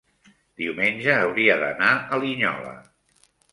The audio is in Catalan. diumenge hauria d'anar a Linyola.